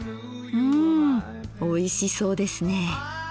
うんおいしそうですねえ。